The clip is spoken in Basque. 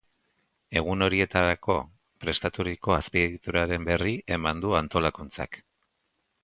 Egun horietarako prestaturiko azpiegituraren berri eman du antolakuntzak.